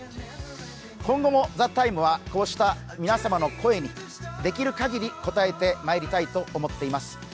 今後も「ＴＨＥＴＩＭＥ，」はこうした皆様の声にできる限り応えてまいりたいと思っています。